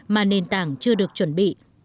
mà nền tảng chưa được chuẩn bị